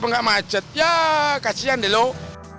apa nggak macet ya kasihan deh loh